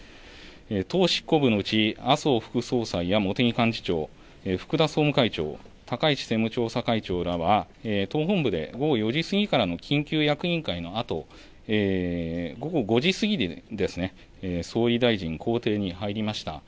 党執行部のうち、麻生副総裁や茂木幹事長、福田総務会長、高市政務調査会長らは、党本部で午後４時過ぎからの緊急役員会のあと、午後５時過ぎですね、総理大臣公邸に入りました。